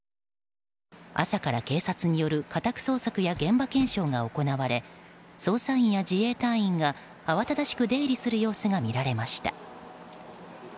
朝から警察による家宅捜索や現場検証が行われ捜査員や自衛隊員が慌ただしく出入りする様子が見られました。